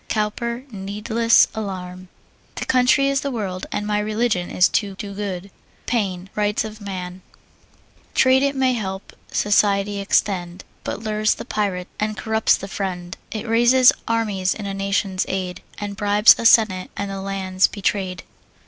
COWPER, Needless Alarm. My country is the world, and my religion is to do good. PAINE, Rights of Man. Trade it may help, society extend, But lures the pirate, and corrupts the friend: It raises armies in a nation's aid, But bribes a senate, and the land's betray'd.